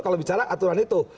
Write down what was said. kalau bicara aturan itu